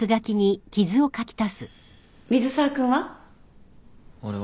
水沢君は？